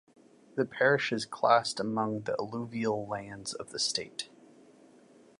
The parish is classed among the alluvial lands of the state.